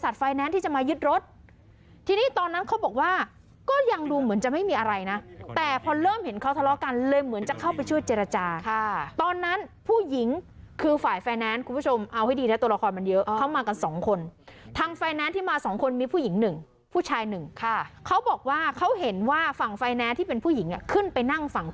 ไฟแนนซ์ที่จะมายึดรถทีนี้ตอนนั้นเขาบอกว่าก็ยังดูเหมือนจะไม่มีอะไรนะแต่พอเริ่มเห็นเขาทะเลาะกันเลยเหมือนจะเข้าไปช่วยเจรจาค่ะตอนนั้นผู้หญิงคือฝ่ายไฟแนนซ์คุณผู้ชมเอาให้ดีนะตัวละครมันเยอะเขามากันสองคนทางไฟแนนซ์ที่มาสองคนมีผู้หญิงหนึ่งผู้ชายหนึ่งค่ะเขาบอกว่าเขาเห็นว่าฝั่งไฟแนนซ์ที่เป็นผู้หญิงอ่ะขึ้นไปนั่งฝั่ง